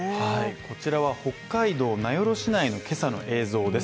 こちらは北海道名寄市内の今朝の映像です